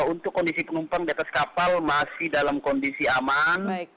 untuk kondisi penumpang diatas kapal masih dalam kondisi aman